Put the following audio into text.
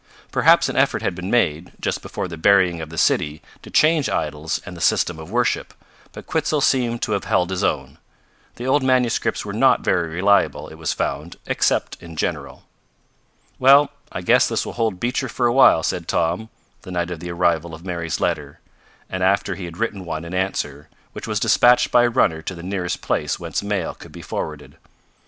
Perhaps an effort had been made, just before the burying of the city, to change idols and the system of worship, but Quitzel seemed to have held his own. The old manuscripts were not very reliable, it was found, except in general. "Well, I guess this will hold Beecher for a while," said Tom, the night of the arrival of Mary's letter, and after he had written one in answer, which was dispatched by a runner to the nearest place whence mail could be forwarded.